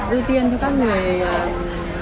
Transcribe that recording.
đưa tiền cho các người